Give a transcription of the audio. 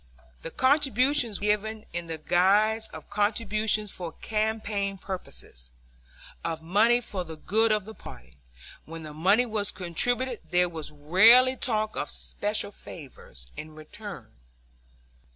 The contributions were given in the guise of contributions for campaign purposes, of money for the good of the party; when the money was contributed there was rarely talk of specific favors in return.